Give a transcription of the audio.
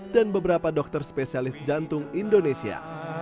dan beberapa dokter spesialis jantung indonesia